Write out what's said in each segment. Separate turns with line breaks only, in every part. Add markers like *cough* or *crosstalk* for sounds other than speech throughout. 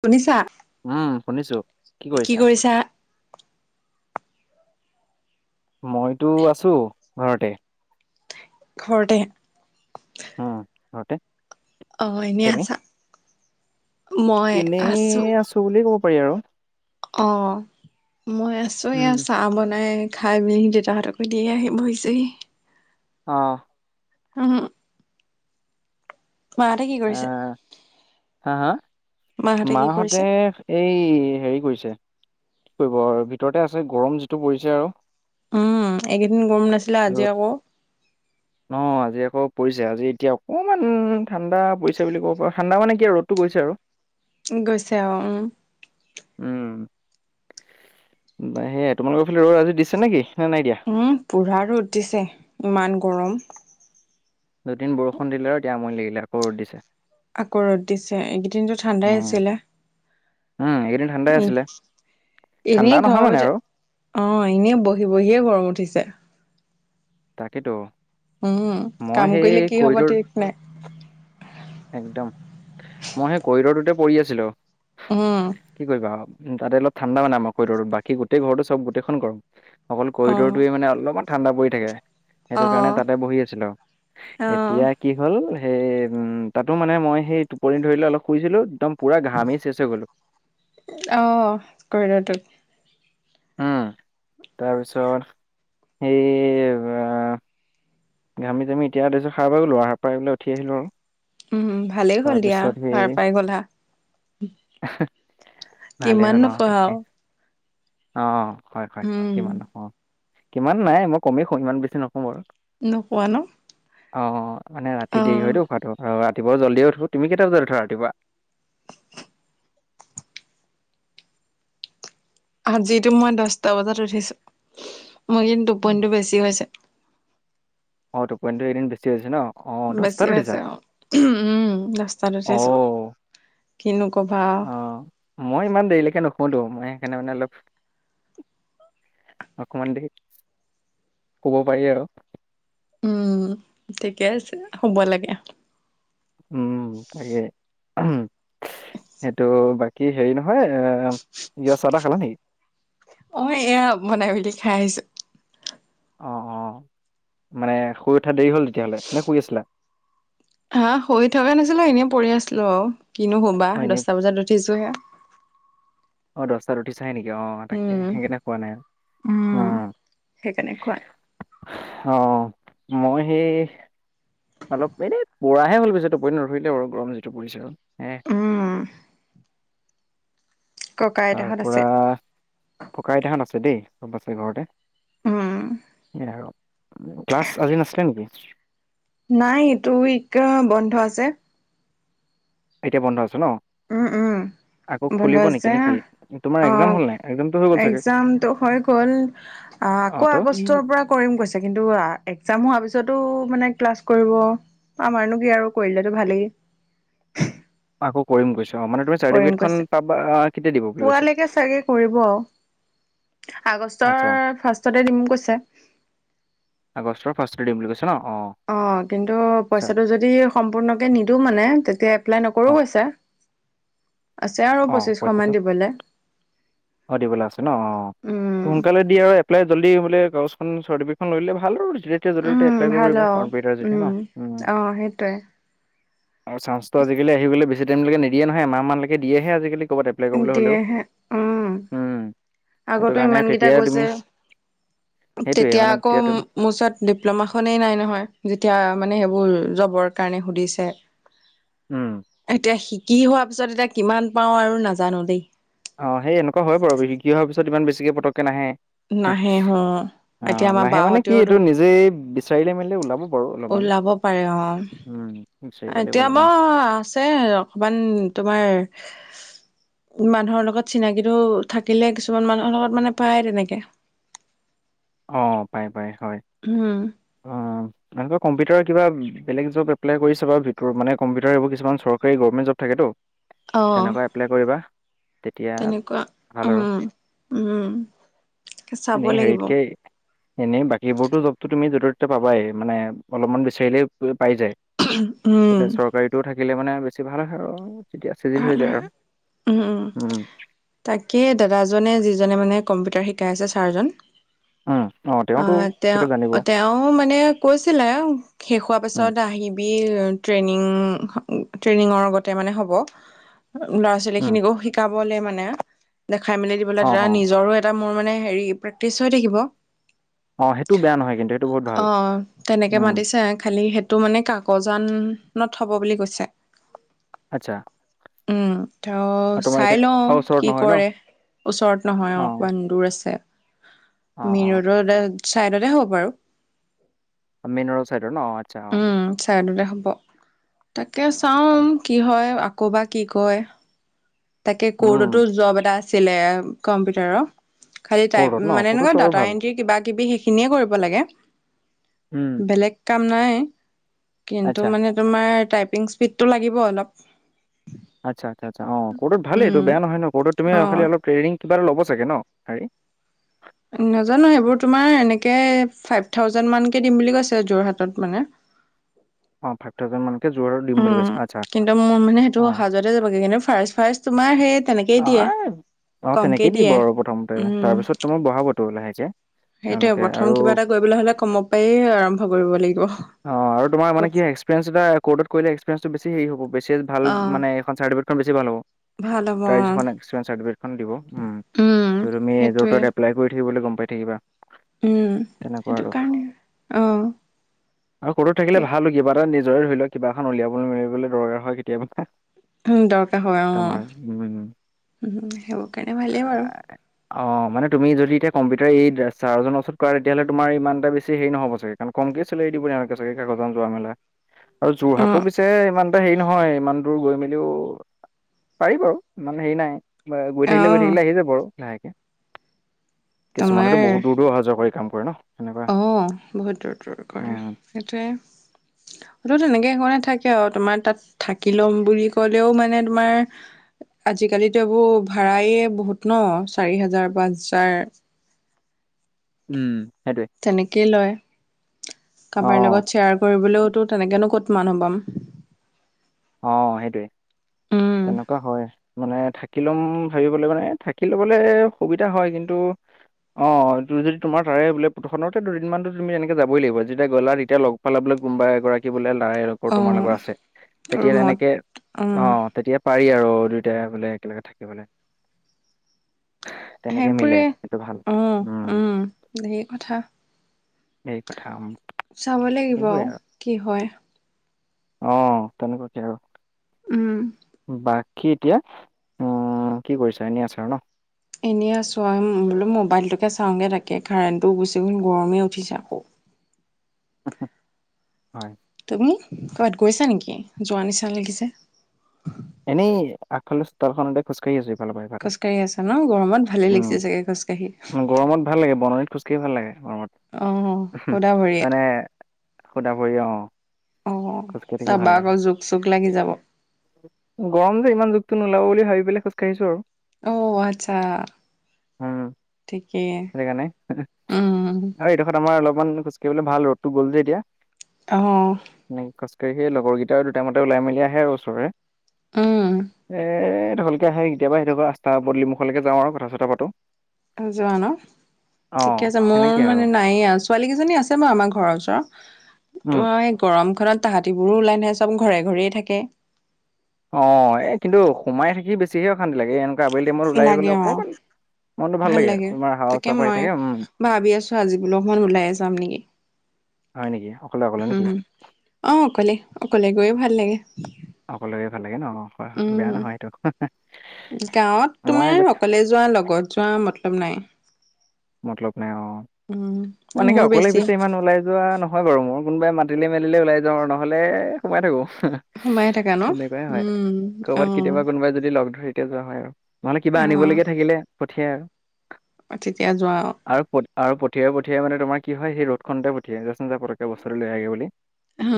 শুনিছা।
উম শুনিছো কি কৰিছা। মইতো আছো ঘৰতে
ঘৰতে
*unintelligible*
অ', এনেই
তুমি?
আছা মই আছো।
বুলিয় কব' পাৰি আৰু
অ', মই আছোঁ
উম
এয়া চাহ বনাই। খাই মেলি দেউতাহঁতকো দি আহি বহিছেহি।
অঁ।
*unintelligible* মাহঁতে কি কৰিছে।
আহ হা হা,
কি কৰিছে
মাহঁতে এই হেৰি কৰিছে, কি কৰিব ভিতৰতে আছে গৰম যিটো পৰিছে আৰু।
উম এইকেইদিন গৰম নাছিলে আজি
ৰ'দ।
আকৌ
অ' আজি আকৌ পৰিছে। আজি এতিয়া অকমান ঠাণ্ডাৰ পৰিছে বুলি কব পাৰ ঠাণ্ডা মানে আৰু ৰ'দটো গৈছে আৰু
গৈছে আৰু উম
উম' বা হেয়া তোমালোকৰ ফালে ৰ'দ আজি দিছে নে কি নে নাই দিয়া
উম' পুৰা ৰ'দ দিছে ইমান গৰম।
দুদিন বৰষুণ দিলে আৰু এতিয়া আমনি লাগিলে আকৌ ৰ'দ দিছে।
আকৌ' ৰদ দিছে এইকেইদিনতো ঠাণ্ডাই
উম
আছিলে।
উম এইকেইদিন ঠাণ্ডাই আছিলে। ঠাণ্ডা
এনেই
নহয়
ঘৰৰ
মানে
ভিতৰত
আৰু,
অ' এনেই বহি বহিয়েই গৰম উঠিছে।
তাকেইতো।
উম' কাম কৰিলে কি হব ঠিক নাই।
একদম, মই সেই কৰিডৰটোতে পৰি আছিলোঁ।
উম
কি কৰিবা আও তাতে অলপ। ঠাণ্ডা মানে আমাৰ কৰিডৰটো। বাকী গোটেই ঘৰতো চব গোটেইখন গৰম। অকল
অ'।
কৰিডৰটোৱে মানে অলমান- ঠাণ্ডা পৰি থাকে। সেইটো কাৰণে
অ',
তাতে বহি আছিলো এতিয়া।
অ'।
কি হ'ল সেই তাতো মানে মই সেই টোপনি ধৰিলে অলপ শুইছিলোঁ। একদম, পূৰা ঘামি চেচ হৈ গ'লোঁ।
অঁ কৰিডৰটোত।
উম' তাৰপিছত সেই - ঘামি যামি এতিয়া দেখিছো সাৰ পাই গলোঁ আও সাৰ পাই উঠি আহিলো আৰু
উম' ভালেই হ'ল দিয়া
তাৰপিছত সেই
সাৰ পাই গ'লা।
*unintelligible* ভালেই
কিমান
হ'ল
নোশুৱা
তাকে
আৰু।
অ' হয় হয়
উম,
কিমান নুশু আও ইমান নাই। মই কমে শুও ইমান বেছি নোশু বাৰু
নোশুৱা ন
অঁ মানে ৰাতি দেৰি হয়
অ',
তো শুৱাটো ৰাতিপুৱা জল্দিয়ে উঠো তুমি কেইটা বজাত উঠা ৰাতিপুৱা
আজিতো মই দছটা বজাত উঠিছো। মোৰ এইকেইদিন টোপনটো বেছি হৈছে।
অ' টোপনিটো এইকেদিন বেছি হৈছে ন। অ'
বেছি
দহটাত উঠিছা
হৈছে অ' উম' দছতাত উঠেছো।
অ'
কিনো কবা আও,
অ' মই ইমান দেৰিলেকে নুশুওঁতো মই সেইকাৰণে মানে অলপ অকমান দেৰি শুব পাৰি আৰু,
উম' ঠিকে আছে শুব লাগে।
উম' তাকে, সেইটো, বাকী হেৰি নহয় এ ইয়া চাহ তাহ খালা নিকি।
অ' এয়া বনাই মেলি খাই আহিছোঁ।
অ' অ' মানে শুই উঠা দেৰি হ'ল তেতিয়াহ'লে নে শুই আছিলা।
হা শুই থকা নাছিলোঁ। এনেই পৰি আছিলো আৰু কিনো শুবা
অ' এনেই
দছটা বজাত উঠিছো হে।
অ' দছটাত উঠিছাহে নেকি অ' তাকে
উম,
সেইকাৰণে শুৱা নাই
উম।
অ'।
সেইকাৰণে খোৱা
অ' মই সেই অলপ এনে- পৰাহে হ'ল পিছে টোপনি নধৰিলে বাৰু গৰম যিটো পৰিছে হে
উম ককা
তাৰ
আইতাহত আছে
পৰা ককা আইতাহঁত আছে দেই চব আছে ঘৰতে
উম
আৰু ক্লাছ আজি নাছিলে নিকি
নাই এইটো উইক অ বন্ধ আছে।
এতিয়া বন্ধ আছে ন।
উম উম'।
আকৌ
বন্ধ
খুলিব নেকি
আছে
নে
না
কি? তোমাৰ এক্সাম
অঁ
হ'ল নাই? এক্সামটো হৈ গ'ল চাগে?
এক্সজামটো হৈ গ'ল। আ,
অ',
আকৌ
ত'
আগষ্টৰ পৰা কৰিম কৈছে কিন্তু এক্সাম হোৱা পিছতো মানে ক্লাছ কৰিব। আমাৰনো কি আৰু কৰিলেতো ভালেই।
অকৌ কৰিম কৈছে অ' মানে তুমি ছাটি
কৰিম
বিগেত খন পাবা কেতিয়া দিব বুলি কৈছে।
কে কৰিব আও
আচ্ছা,
আগষ্টৰ ফাৰ্ষ্টতে দিম কৈছে।
আগষ্টৰ ফাৰ্ষ্টতে দিম বুলি কৈছে ন অঁ'।
অঁ কিন্তু পইচাটো যদি সম্পূৰ্ণকে নিদো মানে তেতিয়া এপ্লাই নকৰোঁ
অ',
কৈছে। আছে আৰু
অঁ
পঁচিছশ মান
পইচাটো
দিবলে।
অঁ দিবলে আছে ন অঁ।
উম।
সোনকালে দি আৰু এপ্লাই জল্দি বোলে কাগজখন চাৰ্টিফেকেটখন লৈ ল'লে ভাল আৰু যেতিয়া তেতিয়া য'তে ত'তে
উম,
তে এপলাই কৰিব
ভাল
পাৰিবা
আৰু
কম্পিউটাৰ যতিয়া
উম,
ন অঁ।
অ' সেইটোৱে।
আৰু চান্সতো আজিকালি আহিবলে বেছি টাইমলৈকে নিদিয়ে নহয় এমাহ মানলৈকে দিয়েহে আজিকালি ক'ৰবাত এপ
দিয়েহে উম'
সেইটো
আগতো
কাৰণে
ইমান কেইটা
তেতিয়াই তুমি
গৈছে
সেইটোয়ে
তেতিয়া
মানে
আকৌ ম
তুমি
মো ওচত ডিপ্ল'মাখনেই নাই নহয় যেতিয়া মানে সেইবোৰ জবৰ কাৰণে সুধিছে।
উম।
এতিয়া শিকি হোৱা পিছত এতিয়া কিমান পাওঁ আৰু নাজানো দেই।
অঁ সেই এনেকুৱা হয় বাৰু শিকি অহাৰ পিছত ইমান বেছিকৈ পটকৈ নাহে। হে
নাহে হ এতিয়া
অঁ
আমাৰ
নাহে মানে কি
বাহঁতেও
এইটো
ধৰ
নিজেই বিচাৰিলে মেলিলে ওলাব বাৰু অলপমান।
ওলাব পাৰে
উম, বিচাৰিব
অঁ
লাগিব
এতিয়া ম
অলপমান
আছ যে অকমান তোমাৰ মানুহৰ লগত চিনাকিটো থাকিলে কিছুমান মানুহৰ লগত মানে পায় তেনেকে
অঁ পাই পাই হয়।
উম।
অঁ। এনেকুৱা কম্পিটাৰ কিবা বেলেগ জব এপ্লাই কৰি চাবা ভিতৰত মানে কম্পিটাৰ এইবোৰ কিছুমান চৰকাৰী গৱমেণ্ট থাকেতো তেনেকুৱা এপ্লাই কৰিবা। তেতিয়া
তেনেকুৱা
ভাল
উম
আৰু
উম'। চাব
নেই
লাগিব
হেৰিটকেই এনেই বাকীবোৰতো জবটো তুমি য'তে ত'তে পাবাই মানে অলপমান বিচাৰিলেই পাই যায়।
উম,
এতিয়া চৰকাৰীটো থাকিলে মানে বেছি ভাল হয় আৰু। তেতিয়া চিজিল
ভাল
হৈ যায়
হয়।
আৰু উম'।
তাকে দাদাজনে যিজনে মানে কম্পিউটাৰ শিকাই আছে ছাৰজন
উম, অ', তেওঁতো
অঁহ তেওঁ
চাগে জানিব
তেওঁ মানে কৈছিলে শেষ হোৱাৰ
উম,
পিছত আহিবি ট্ৰেইনিং ট্ৰেইনিঙৰ আগতে মানে হ'ব। ল'ৰা ছোৱালী
উম,
খিনিকও শিকাবলে মানে দেখাই মেলি দিবলৈ
অ',
দা
অ',
নিজৰো এট এটা মোৰ মানে হেৰি প্ৰেক্টিচ হৈ থাকিব।
অ', সেইটো বেয়া নহয় কিন্তু সেইটো বহুত ভাল
অঁ তেনেকে
উম,
মাতিছে খালি সেত টো মানে কাকজানত হ'ব বুলি কৈছে।
আৎচ্ছা।
উম'। ত চাই
এতিয়া
লওঁ
অ', ওচৰত
কি
নহয় ন
কৰে ওচৰত নহয়
অ',
অকমান দূৰ আছে।
অ',
মেন
অ',
ৰোডৰ দা চাইডতে হ'ব বাৰু।
মেন ৰ'ড ছাইডৰ ন অ আৎচ্ছা অঁ।
ছাইডতে হ'ব তাকে চাওঁ।
অঁ।
কি হয়, আকৌ বা কি কয়? তাকে
উম,
কৰ্টতো জব এটা আছিলে কম্পিউটাৰৰ। খালি টাইপ,
কৰ্টত ন
মানে এনেকুৱা
কৰ্টতটো আৰু
ডাটা
ভাল।
এণ্ট্ৰি কিবা-কিবি সেইখিনিয়ে কৰিব লাগে।
উম।
বেলেগ কাম নাই, কিন্তু
আচ্ছা।
মানে তোমাৰ টাইপিং স্পীডটো লাগিব অলপ।
আচ্ছা আচ্ছা, অ কৰ্টত
উম
ভালেইটো, বেয়া নহয় ন। কৰ্টত তুমি
অ
খালি অলপ ট্ৰেইনিং কিবা এটা লব চাগে ন হেৰি?
নাজানো, সেইবোৰ তোমাৰ এনেকে ফাইভ থাউজেণ্ড মানকে দিম বুলি কৈছে যোৰহাটত মানে।
অ ফাইভ *unintelligible*
উম,
আচ্ছা
কিন্তু মোৰ মানে সেইটো
অ,
অহা-যোৱাতে যাবগে। কিন্তু মোৰ মানে ফাৰ্ষ্ট ফাৰ্ষ্ট তোমাৰ সেই
অ,
তেনেকেই দিয়ে,
এই
কমকেই দিয়ে, উম।
তোমাক বহাবটো লাহেকে।
সেইটোয়ে,
তেওঁলোকে
প্ৰথম
আৰু
কিবা এটা কৰিবলৈ হলে কম পাই আৰম্ভ কৰিব লাগিব।
অ', আৰু তোমাৰ মান
ক'ত
কি হয়, এক্সপিৰিয়েন্স এটা কৰ্টত কৰিলে এক্সপিৰিয়েঞ্চটো বেছি হেৰি হ'ব, বেছি ভাল
অ'
মানে। চাৰ্টিফিকেটখন বেছি ভাল হ'ব,
ভাল হ'ব
তাৰ
অ'
যিখন এক্সপিৰিয়েঞ্চ চাৰ্টিফিকেটখন দিব।
উম,
ত, তুমি
সেইটোৱে।
এজ-তত এপ্লাই কৰি থাকিবলে গম পাই থাকিবা।
উম,
তেনেকুৱা
সেইটো
আৰু।
কাৰণেই।
আৰু কৰ্টত থাকিলে ভাল, কিবা এটা নিজৰে ধৰি লোৱা, কিবা এখন উলিয়াবলৈ-মেলিবলৈ দৰকাৰ হয় কেতিয়াবা।
দৰকাৰ হয় অ,
তোমাৰ উম।
সেইবোৰ কাৰণে
আ
ভালেই বাৰু।
অ', মানে তুমি যদি এতিয়া কম্পিউটাৰ এই ছাৰজনৰ ওচৰত কৰা, তেতিয়াহ'লে তোমাৰ ইমান এটা বেছি হেৰি নহ'ব চাগে। কমকে চিলাৰী দিব *unintelligible* যোৱা মেলা আৰু যোৰহাটো
অ'
পিছে ইমান হেৰি নহয়, ইমান দূৰ গৈ মেলিও পাৰি বাৰু, ইমান হেৰি নাই। বা গৈ থাকিলে গৈ
অ'
থাকিলে আহি যাব আৰু লাহেকে। কিছুমানেতো
তোমাৰ
বহুত দূৰ-দূৰ অহা-যোৱা কৰি কাম কৰে ন সেনেকুৱা।
অ বহুত দূৰ-দূৰ কৰে
উম,
সেইটোৱে। সেইটো তেনেকে কৰে থাকে আৰু তোমাৰ তাত থাকি ল'ম বুলি কলেও মানে তোমাৰ আজিকালিতো এইবোৰ ভাড়াই বহুত ন, চাৰি হাজাৰ-পাঁচ হাজাৰ।
উম, সেইটোৱে।
তেনেকেই লয়, কাবাৰ
অ',
লগত শ্বেয়াৰ কৰিবলৈওতো তেনেকেনো ক'ত মানুহ পাম।
অ', সেইটোৱে
উম
তেনেকুৱা হয়। মানে থাকি ল'ম ভাবিবলে মানে থাকি লবলে সুবিধা হয়, কিন্তু অঁ, যদি তোমাৰ তাৰে বোলে পুথখনতে দুদিনমানতো তুমি এনেকে যাবই লাগিব। যেতিয়া গ'লা তেতিয়া লগ পালা বোলে কোনোবা এগৰাকী বোলে লাইৰ তোমাৰ
অ',
লগৰ আছে। তেতিয়া
ৰুমত
তেনেকে,
উম
অ' তেতিয়া পাৰি আৰু দুইটাই বোলে একেলগে থাকিবলে।
সেইবোৰে অ' উম, ধেৰ কথা।
সেই কথা উম,
চাব লাগিব,
সেইবোৰে
কি হয়?
অ', তেনেকুৱাকে আৰু।
উম।
বাকী এতিয়া উম, কি কৰিছা? এনেই আছা আৰু ন?
এনেই আছোঁ, বোলো মোবাইলটোকে চাওঁগে। তাকে কাৰেণ্টটো গুচি গ'ল, গৰমেই উঠিছে আকৌ।
হয়।
তুমি ক'ৰবাত গৈছা নেকি? যোৱা নিচিনা লাগিছে।
এনেই, আগফাল চোতালখনতে খোজকাঢ়ি আছোঁ, ইফালৰ পৰা ইফালে,
খোজকাঢ়ি আছা ন গৰমত ভালে লাগিছে চাগে খোজকাঢ়ি।
উম গৰমত ভাল লাগে, বননিত খোজ-কাঢ়ি ভাল লাগে
অহ
গৰমত।
সুদা ভৰিয়ে
মানে সুধা কৰি অ।
অ
খোজকাঢ়ি থাকি ভাল
তাৰপৰা
লাগে।
আকৌ জোক চোক লাগি যাব।
গৰম যে ইমান জোকটো নোলাব বুলি ভাবি পেলাই খোজকাঢ়িছো আৰু
অ আচ্ছা
উম
ঠিকেই
সেইটো কাৰণে
উম।
আৰু এইডোখৰত আমাৰ অলপমান খোজকাঢ়িব ভাল ৰ'দটো গল যে এতিয়া।
আহ্।
উম খোজকাঢ়িয়ে লগৰকেইটা আৰু দুটা মতে ওলাই মিলি আহে আৰু ওচৰৰে।
উম।
*inaudible* তেতিয়া আহে কেতিয়াবা ৰাস্তা পদূলি মুখলৈকে যাওঁ আৰু কথা- চথা পাতো।
যোৱা ন
অ
ঠিকে আছে মোৰ
সেনেকে আৰু
মানে নাইয়ে আছো। ছোৱালী কেইজনী আছে বাৰু আমাৰ ঘৰৰ ওচৰত
উম
তো এই গৰমখনত তাহাঁতিবোৰো ওলাই নাহে চব ঘৰে ঘৰেই থাকে।
অ এই কিন্তু সোমাই থাকি বেছিকে অশান্তি লাগে এনেকুৱা আবেলি টাইমত ওলাই গ'লে
লাগে অ'।
অকণমান মনটো
ভাল লাগে
তোমাৰ হাৱা
তাকে
চাৱা আহি
মই
থাকে উম
ভাবি আছো আজি বোলো অকমান ওলাইে যাম নেকি।
হয় নেকি অকলে অকলে নেকি?
উম অ অকলে অকলে গৈয়ে ভাল লাগে।
অকলে লগে ভাল লাগে ন অ। হয় হয়
উম
বেয়া নহয় সেইটো
গাঁৱত
মই আগত
তোমাৰ অকলে যোৱা লগত যোৱা মতলব মতলব নাই।
মতলব নাই অ
উম
এনেকে
মোৰ
অকলে
বেছি
পিছে ইমান ওলাই যোৱা ন। হয় বাৰু মোৰ কোনোবাই মাতিলে মেলিলে ওলাই যাওঁ আৰু নহ'লে সোমাই থাকো।
সোমাই থাকা ন
তেনেকুৱাই হয়
উম অ
কৰ'বাত কেতিয়াবা কোনোবাই যদি লগ ধৰে এতিয়া যোৱা নাই আৰু নহ'লে কিবা
অ
আনিবলগীয়া থাকিলে পঠিয়াই।
অ তেতিয়া যোৱা আৰু।
আৰু পঠিয়াই পঠিয়াই মানে তোমাৰ কি হয় সেই ৰ'দ খনতে পঠিয়াই যা চোন যা পতককেনে বস্তু এটা লৈ আহগে বুলি।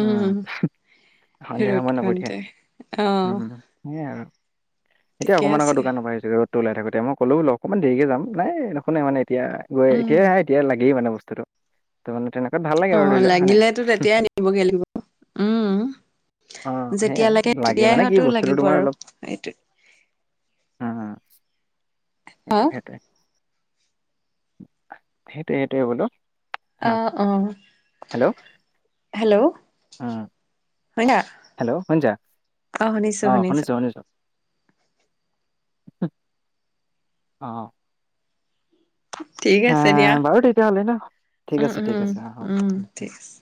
উম সন্ধিয়া
ৰ'দ
সময়ত নপঠিয়াই
খনতে অ
উম। সেয়াই আৰু এতিয়া
ঠিকে
অকণমান আগত
আছে
দোকানৰ পৰা আহিছিলো। ওলাই থাকোতে মই ক'লো বোলো অকমান দেৰিকে যাম নাই নুশুনেই মানে। এতিয়া গৈ
উম
এতিয়াই আহে এতিয়াই লাগেই মানে বস্তুটো ত মানে তেনেকুৱাত ভাল লাগে
অ
আৰু ধৰি লোৱা হয় নাই।
লাগিলেতো তেতিয়াই উম
অঁ সেয়া
যেতিয়া লাগে তেতিয়াই
মানে কি
হয়তো
বস্তুটো
লাগিব
তোমাৰ
আৰু।
অলপ
সেইটো।
অ
অ
সেইটোৱে সেইটোৱে সেইটোৱে সেইটোৱে বোলো।
অ
হা
অ
হেল্ল'
হেল্ল'
উম
মইনা।
হেল্ল' শুনিছা অঁ শুনিছোঁ শুনিছোঁ। অ। *unintelligible*
ঠিক
এ
আছে দিয়া
বাৰু তেতিয়া হ'লে ন ঠিক
উম
আছে ঠিক
উম
আছে অ
উম
হ'ব।
ঠিক আছে